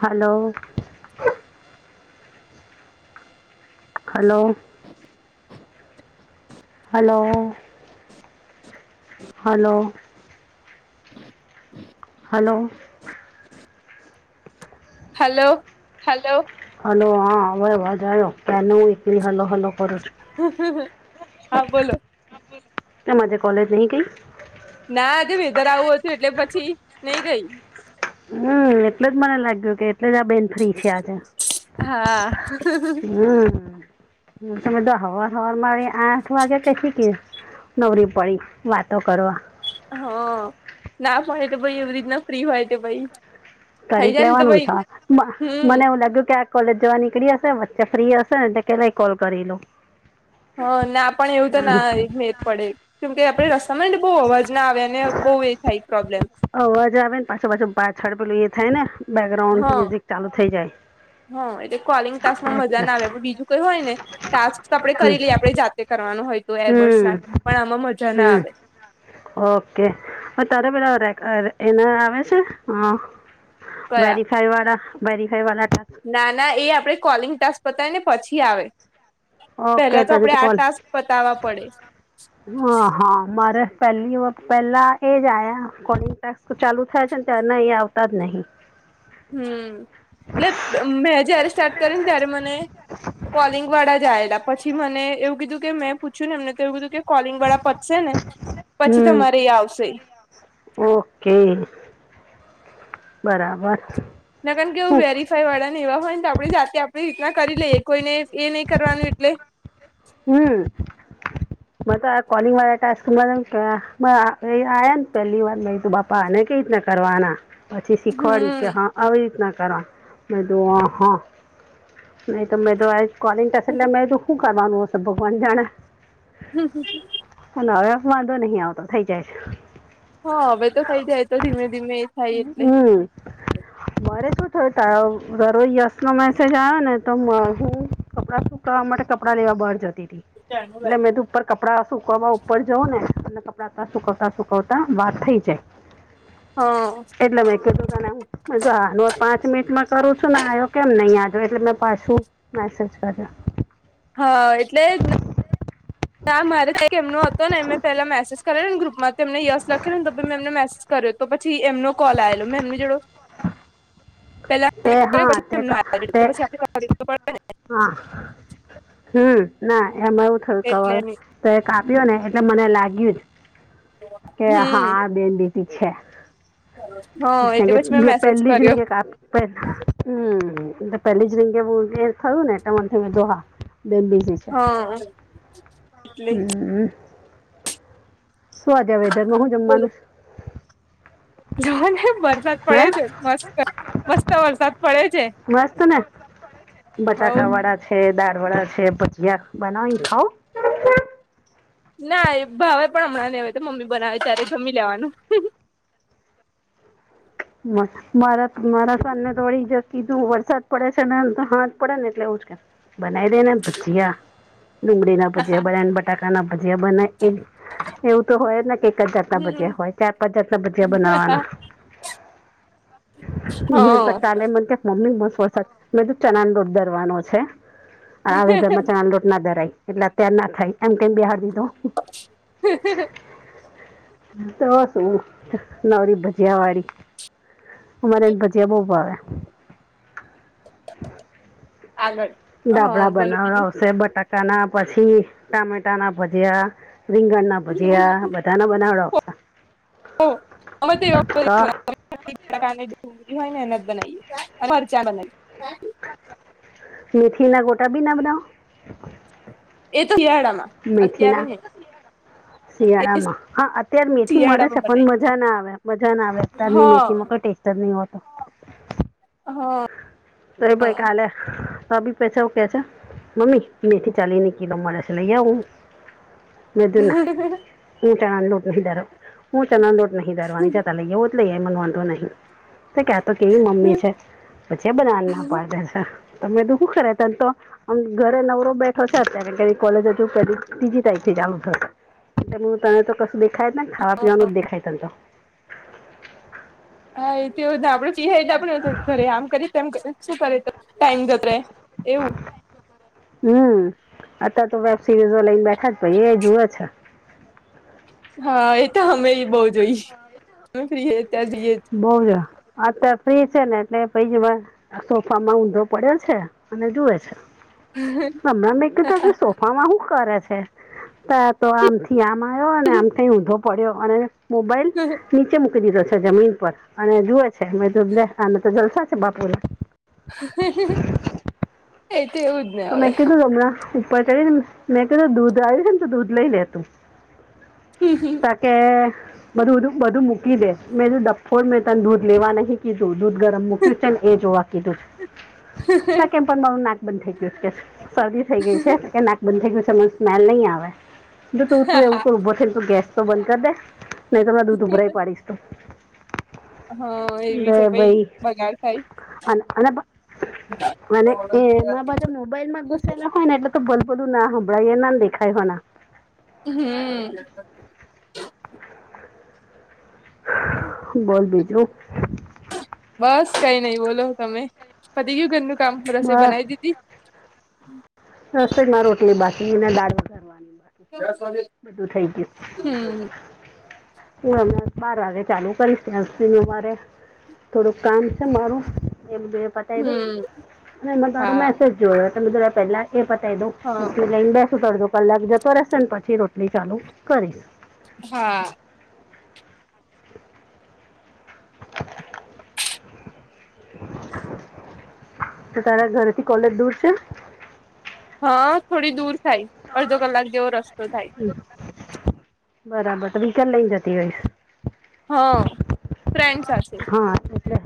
હાલો, hello, hello, hello hello hello hello hello હા હય અવાજ આવ્યો ક્યા ન હું એકલ હલો હલો કરું છ. હ હ હ હા બોલો એ આજે કોલેજ નહી કઈ. ના આજે વધર આવું હતું એટલે પછી નઈ ગઈ. હમ એટલે જ મને લાગ્યું કે એટલે જ આ બેન ફ્રી છે આજે હા હમ હ તમે દ હર હવાર મળી આઠ વાગે ક શીખશ. નવરી પડી વાતો કરવા. હા ના પાય તો ભાઈ એવી રીતના ફ્રી હોય તો ભાઈ થઈ કરી જ જાય ને તો લેવાનું ભાઈ સ હમ મને એવું લાગ્યું કે કોલેજ જવા નીકળી હશે વચ્ચે ફ્રી હશે ને પલાય કોલ કરી લો. હ ના પણ એવું તો ના મેદ પડે. કેમકે આપડે રસ્તામાં ને બહુ અવાજ ના આવે્યા અને બહુ એ થાય પ્રોબ્લેમ અવાજ આવે ને પાછું પાછું પાછાડ પેલું એ થાય ને બેકગ્રાઉન્ડ મ્યુઝિક ચાલુ થઈ જાય. હ એટલે કોલિંગ તાસ માં મજા એટલે ના આવે પણ બીજું કઈ હોય ને. ટાસ્ક તો આપડણે હમ કરી લઈએ આપણે જાતે કરવાનું હોય તો એરબર્ડસ હમ નાખ પણ આમાં મજા ના હમ આવે. ઓકે તારે પેધા એના આવે છે હ. કયા વેરીફાઈ વાળા વેરીફાઈ વાળાક ના ના એ આપડે કોલિંગ ટાસ્ક બતાય ને પછી આવે. ઓકે પેલા તો તને આપડે આ કોલ ટાસ્ક બતાવવા પડે. હા હા મારે પહેલી પહેલા એ જ આયા કોડી ટટેસ્ક ચાલુ થાય છે ને તના એ આવતા જ નહીં. હમ એટલે મેં જયારે સ્ટાર્ટ કર્યો ને ત્યારે મને કોલિંગ વાળા જાયેલા પછી મને એવું કીધું કે મેં પૂછ્યું ને એમને તો એવું કીધું કે કોલિંગ વાળા પતશે ને પછી હમ તમારે આવશે. ઓકે બરાબર ના કારણ કેવું વેરી કઈ વાળા ને એવા હોય ને તો આપણી જાતે આપણી રીતના કરી લઈએ કોઈને એ નહી કરવાનું એટલે. હમ મ તો કોલિંગ વાળા ક આયા ને પહેલી વાર ત બાપ પાને કઈ રીના કરવાના પછી શીખવાડ્યું હમ કે હા. આવી રીતના કરવા મેં તોો હા નહીં તોમેં તોો આ જ કોલની કસ લ મે રુખુંગ માનું ભગવાન જાણ. હમ હમ હવે વાંધો નહી આવતો થઇ જાય છે. હા હવે તો થઈ જાય તો ધીમે ધીમે એ થાય એટલે હમ મારે શું થય તરો યશ નો મેસેજ આવ્યો ને તો હું. કપડા સુક કરવાવા માટે કપડાં લેવા બહાર જતી હતીી એટલે મેં તો ઉપર કપડાં સુકવવા ઉપર જવં ને અને કપડાં તં સુકવતા સુકવતા વાર થઈ જાય. હા એટલા મે કું હ આનો પાંચ મિનિટમાં કરું છું ને આવ્યો કેમ નહી આજો એટલે મેં પાછું મે સજ કરી. હા એ એટલે મારે કઈક એમનો હતો ને એં પેલા મેસેજ કર્યો ને ગ્રુપમાં તેમને યશ લખે ને તમે મે એમને મેસેજ કર્યો તો પછી એમનો કોલ આવેલો મે એમની જોડો. તે કર્યો હા પછી એમનો આવેલો તે પછી આપડે કરવું પડે ને હા હમ ના એમાં એવું થયું એટલે કવાર તો એક કાપ્યો ને એટલે મને લાગ્યું જ કે હમ હા બે છે હા એટલે પછી મેં કારકે મેસેજ પહેલી જ કર્યો નહીે પણ હમ પેલી જ રીંગે બું થયું ને એટ મીધો હા બેન બીજી છે હા એટલે હમ શું આજ વેધર માં હું જમવાનું જો ને વરસાદ હે પડે છે મસ્ત મસ્ત વરસાદ પડે છે વાસ્ત ને હવ બટાકા વાળા છે દાળ વાળા છે ભજીયા બનાવી ખાઓ ના એ ભાવે પણ હમણાં ને હોય તો મમ્મી બનાવે ત્યારે જમી લેવાનું હ મારા મારા સામેને તો વળી ઈજા કીધું વરસાદ પડે છે ને હાથ પડે ને એટલે એવું જ કે બના દેને ભજીયા ડુંગળી ના ભજયા બને બટાકા ના ભજયા બને એ એવું તો હોય ને કે એક જ જાતના ભજયા હોય ચાર પાંચ જાતના ભજયા બનાવાના હ તો કાલે મને ક્યાં મમ્મી બ વરસાદ મે ચનાન રોડ દરવાનો છે. આવેધર મચણા લોટ ના ધરાય એટલે અત્યાર ના થાય એમ કેમ નેબેસાડિ દીધો હ [unintelligible] તોસું નાવરી ભજ્યાવાળી ઉ મારે બચ્યા ભો પાવા આગળ હા ડાબડાા બોલો બીજું બનાસે બટા ના પછી ટામેટા ના ભુજ્યા રીંગણના ભુજ્યા બધા બઘાના બનાવડાવ સે ઓ વ્યાપારી તો [unintelligible] પ્રકારની ડુંગળી હોય ને એને જ બનાવીએ અ મરચા નય મીથીી ના ગોટા ભી ના બનાઓ એ તો શિયાળા મા મેથી ના એ શિયાળામાં હા અત્યારે મેથી મળે છે શિયાળામાં પણ બનાવીએ મજા ના આવે મજા ના આવે તાર ની હા મેથીમાંઈ ટેસ્ટ જ નહી હોતો હ અરે ભાઈ કાલે ત બી પસા કે છે મમ્મી મેથી ચાલીને કિલો મારે છે લઈ આ આવું [inaudible] મે કયુ ના ઉ ચણાનું લુટ નયદરવા ની ચણાનું લુટ નય દરવાની તારે લઇ આઉ-' લઈ એ મને વાંધો નહીિ તો ક્યાતો કેવી મમ્મી છે. એ બના ના પાડે છે તમે હુ કરે તને તો મ ઘરે નવરો બેઠો છે અત્યારે ક કોલેજ હજુ ત્રીજી તારિખ થી ચાલુ થશે. તને તો કસ દેખાયત ને ખાવા પીવાનું જ દેખાયતને તો હા એ તો ને આપડે આપડ ઘરે આમ કરીશ તેમ શું કરે તો ટાઈમ જત્રે એવું હમ અત તો વેબ સિરીઝો લઈને બેઠા એ જુવે છે. હા એ તો અમે બહ જોઈએ અમે ફ્રીએ ત્યાંરે જઈએ જ બઉ જો અત્યારે ફ્રી છે ને એટલે પ સોફામાં ઊંધો પડ્યો છે અને જુએ છે. હમણાં મેં કતા સોફામાં શું કરે છે ત તો આમથી આમ આવ્યો અને આમ થ ઊંધો પડ્યો અને મોબાઈલ હમમ નીચે મૂકી દીધો છે જમીન પર અને જુવે છે મે આને તો જલસા છે બાપુરે એ તોવું તો મેં કીધું તમણા ઉપર ચડીને મેં કીધું દૂધ આવ્યું છે ને તો દૂધ લઈ લે તું હમ હમ ત કે બધુંધું બધું મૂકી દે મેંું ડફોર મેં તને દૂધ લેવા નહીં કીધું દૂધ ગરમ મૂક્યું છે ને એ જોવા કીધું શ કેમ પણ મારું નાક બંધ થઈયું શરદી થઈ ગઈ છે કે નાક બંધ થઈ ગયું છે સ્મેલ નહી આવે જો તું તું એવું કર ઉઊભો થઈને તો ગેસ તો બંધ કરી દે નહી તને દૂધ ઉભરાય પાડીશ તો હા એવી બે છે ભાઈ બગાડ થાય અને અને મ એમાં બ મોબાઈલ માં હમ ઘુસેેલા હોય ને એટલે તો ભલ બલું ના હંભળાઈ ના દેખાય હોયને હમ બોલ બીજું બસ કઈ નઈ બોલો તમે પતિ કયું ઘરનું કામ રસે બસ બનાવી દીધી રસમાં રોટલી બાસી દાળ બાકી બધું થઈ હમ હ બાર ચાલુ કરી્યાિનેરે થોડુંક કામ છે મારું એક બેછ હમ એમાં તારું હા મેસેજ જોયો એટલે બધું પેલા એ બતાવી દઉ હા એટલી લઈને બેસું તડજો કલાક જતો રહેશે ને પછી રોટલી ચાલુ કરીને હા [unintelligible] તો તારા ઘરેથી કોલેજ દૂર છે હા થોડી દૂર થાય અડધો કલાક જેવો રસ્તો થાય બરાબર તો વિકલ લઈ જતી હોયશ હ ફ્રેન્ડ સાથે હા એટલે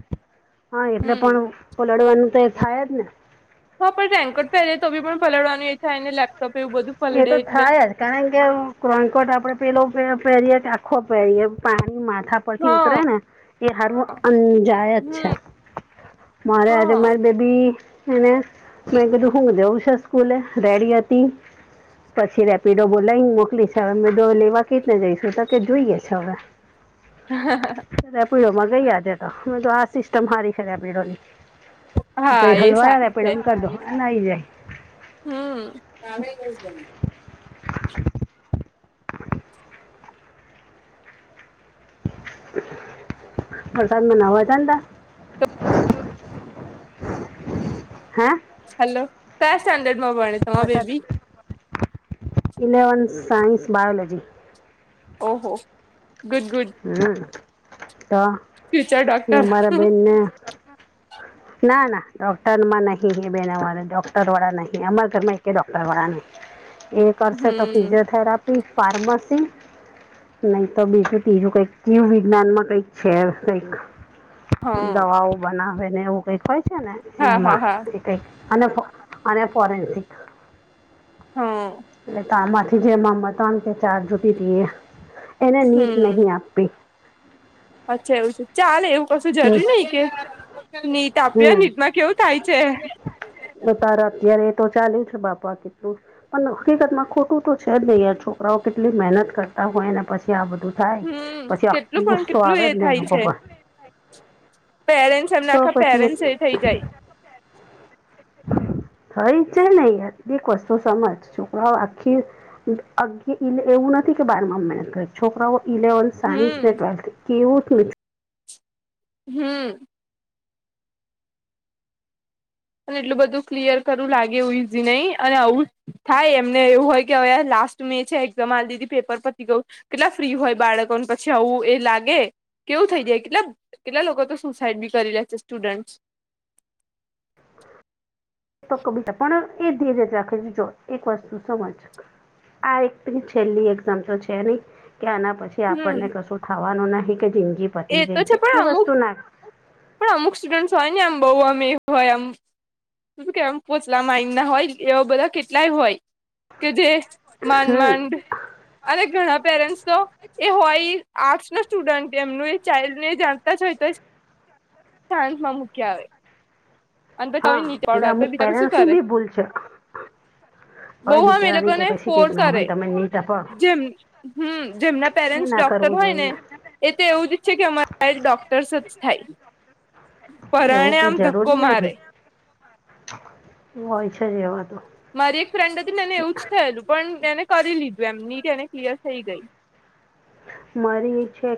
હા એટલે પણ હમ ઓલડવાનું તો થાય જ ને હા પણ રેન્કટ પહેરે તો બી પણ પલડવાનું એ છે ને લેપટોપ એવું બધું એ પલળે તો એટલે થાય જ કારણ કે કોનકોટ આપડે પેલો પહેરીએ કે આખો પહેરીએ પાણી માથા ઉપથી ઉતરે હા ને એ હારું અંજાયત છે હમ મારે આજે હા મારે બેબી એને મેં કધું હુંું દઉં છા સ્કૂલે રેડી હતી હતી પછી રેપિડો બોલાવીને મોકલી છે હવેમે લેવા ક જ ને જઈશું તો કે જોઈએ છે હવે હ ખ્યા પીળોમાં ગઈયાજે તો મે તો આ સિસ્ટમ હારી ખદ્યા પીડો ની ત હા એ હલવા્યા સારી છે પેડા કર દો નાઈ જાય હમ પ્રરસાદ મહના હો જતા હા હલો ક્યા સ્ટેન્ડર્ડ માં ભણે તમા બેબી ઇલેવનથ સાઇન્સ બાયોલજી ઓહો ગુડ ગુડ હમ તો ફ્યુચર એ ડોક્ટર અમારા બહેનને ના ના ડોક્ટર માં નહીં એ બેન વાળ ડોક્ટર વાળા નહીં અમારા ઘરમાં ડોક્ટર વાળા નહીં એ કરશે તો હમ ફિઝિયોથેરાપી ફાર્મસી નહી તો બીજું ત્રીજું કઈક કીુ વિજ્ઞાન માં કઈક છે કઈક હા દવાઓ બનાવે ને એવું કઈક હોય છે ને હા હા એમાં હા અને અને ફોરેન્સિક હમ એટલે તમાંથી જે મમતમ કે ચાર જૂટી હતી એ એને નીટ નહિ હમ આપવી અચ્છા એવું છે ચાલે એવું કશું હમ જરૂરી નઈ કે નીટ આપ્યું હમ નીટ માં કેવું થાય છે તો તારા અત્યારે એ તો ચાલે છે બાપા કેટલું પણ હકીકત માં ખોટું તો છે જ ને યાર છોકરાઓ કેટલી મહેનત કરતા હોય એને પછી આ બધું થાય હમ પછી આટલો કેટલું પણ ગુસ્સો કેટલું આવે જ ને એ લોકો પર પેરેન્ટસ એમના તો આખા પછી એક પેરેન્ટ્સ એ થઈ જાય થઈ છે ને યાર એક વસ્તુ સમજ છોકરાઓ આખી અ એવું નથી કે છોકરાઓ કે બાર માં મહેનત કરે છોકરાઓ ઇલેવન સાયન્સ મે હમ ટ્વેલ્થ ક્યુટ મિ હમ અને એટલું બધું ક્લિયર કરવું લાગે એવું ઈઝી નહીં અને આવુંજ થાય એમને એવું હોય કે હવે લાસ્ટ મે છે એક્ઝામ આ દીધી પેપર પતી ગયું કેટલા ફ્રી હોય બાળકોને પછી આવું એ લાગે કેવું થઈ જાય કેટલા કેટલા લોકો તો સુસાઈડ બી કરી લે છે સ્ટુડન્ટ બીજા પણ એ ધીરેજ રાખે છે જો એક વસ્તુ સમજ આ એક છેલ્લી એક એક્ઝામ તો છે નહી કે આના પછી કે હમ આપણને કશું થવાનું નહી કે જિંદગી પતી એ ગઈ તો છે પણ એ અમુક વસ્તુ ના પણ અમુક સ્ટુડન્ટ્ હોય ને એમ બહુ આમ એવું હોય એમ હું કેમ પોચલા માઈન્ડ ના હોય એવા બધા કેટલાય હોય કે જે માંડ હમ માંડ અને ઘણા પેરેન્ટ્સ તો એ હોય આર્ટસ નું સ્ટુડન્ટ એમનું ચઇલ્ડ ને જાણતા જ હોય તો શાંત માં મૂકી આવે અને તો તમે હા નીચ એટલે પાવડર તો અમુક બિચારા શું પેરેન્ટ્સની કરે બી ભૂલ છે હવે બહ આમ એ બિચારાની લોકોને કેપેસિટી ફોડ જ ના કરે હોય તમે નહીં તપાવો જેમ હમ જેમના એ પેરેન્ટસ ના ડોક્ટર કરવું હોય ને જોઈએ એ તો એવું જ ઇચ્છે કે અમારે ડોક્ટર્સ જ થાય તો પરાણે એવું કઈ આમ ધક્કો જરૂરી મારે નહી હોય છે જ એવા તો મારી એક ફ્રેન્ડ હતી ને એને એવું જ થયેલું પણ એને કરી લીધું એમ એની નિટ ક્લિયર થઈ ગઈ મારી છે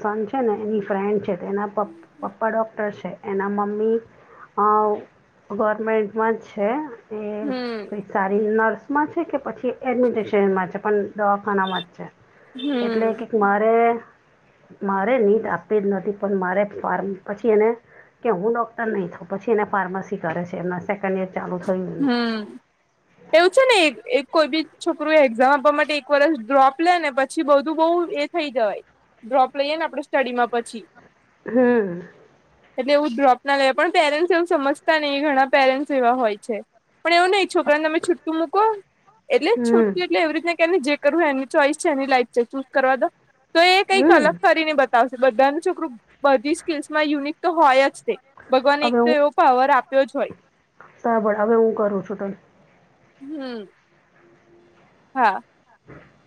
સન છે ને એની ફ્રેન્ડ છે એના પપ્પા પપ્પા ડોક્ટર છે એના મમ્મી અ ગવર્મેન્ટમાં જ છે એ હમ કંઈક સારી નર્સમાં છે કે પછી એડમિનિસ્ટ્રેશનમાં છે પણ દવાખાનામાં જ છે હમ એટલે કે મારે મારે નીટ આપી જ નતી પણ મારે ફારમ પછી એને કે હું ડોક્ટર નહી થ પછી એને ફાર્માસી કરે છે એમના સેકન્ડ ઇયર હમ એવું છે ને એક કોઈ બી છોકરું એક્ઝામ આપવા માટે એક વર્ષની ડ્રોપ લે ને પછી બધું બઉ થઈ જવાય ડ્રોપ લઈએ ને આપણેે સ્ટડી માં પછી હમ એટલે એવું ડ્રોપ ના લેવા પણ પેરેન્ટ્સ એવું સમજતા નહ ઘણા પેરેન્ટ્સ એવા હોય છે પણ એવું નહિ છોકરા ને તમે છૂટતું મૂકો એટલે હમ છૂટતું એટલે એવી રીત કે જે કરું એની ચોઈસ છે એની લાઈક છે ચૂસ કરવા દો તો એ કંઈક હમ અલગ કરીને બ આવશે બધાનું છોકરું બધી સ્કીલ્સમાં યુનિક તો હોય જ તે ભગવાને એક હવે તો એવો પાવર આપ્યો જ હોય તબળ હવે હું કરું છું તને હમ હા હ